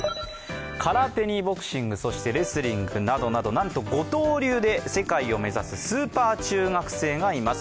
空手にボクシング、そしてレスリングなどなどなんと５刀流で世界を目指すスーパー中学生がいます。